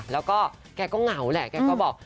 แล้วก็แกก็เหงาแหละแกก็บอก